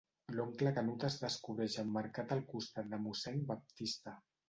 L'oncle Canut es descobreix emmarcat al costat de mossèn Baptista.